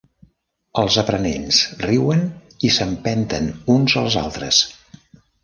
Els aprenents riuen i s'empenten uns als altres.